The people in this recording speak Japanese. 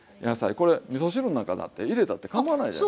これみそ汁の中だって入れたってかまわないじゃない。